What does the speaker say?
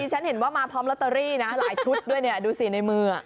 ฉันเห็นว่ามาพร้อมลอตเตอรี่นะหลายชุดด้วยเนี่ยดูสิในมือ